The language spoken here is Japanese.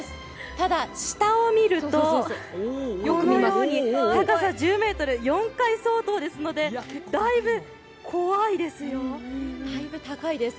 ただ、下を見るとこのように、高さ１０ｍ４階相当ですので、だいぶ怖いですよ、だいぶ高いです。